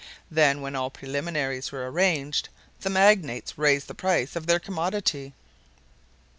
Then when all preliminaries were arranged, the magnates raised the price of their commodity.